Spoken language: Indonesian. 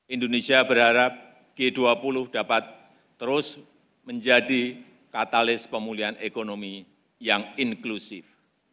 indonesia berharap g dua puluh dapat terus menjadi katalis pemulihan ekonomi yang inklusif